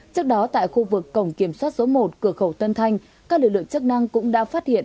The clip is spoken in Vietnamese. trước đó tại khu vực cổng kiểm soát số một cửa khẩu tân thanh các lực lượng chức năng cũng đã phát hiện